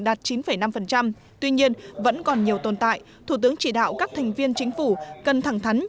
đạt chín năm tuy nhiên vẫn còn nhiều tồn tại thủ tướng chỉ đạo các thành viên chính phủ cần thẳng thắn